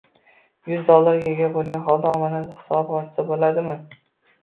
Yuz dollarga ega bo'lgan holda omonat hisobi ochsa bo’ladimi?